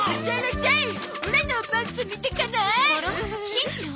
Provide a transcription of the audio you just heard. しんちゃん？